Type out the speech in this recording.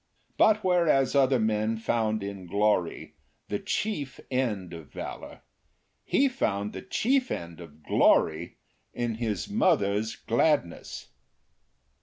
But whereas other men found in glory the chief end of valour, he found the chief end of glory in his mother's gladness.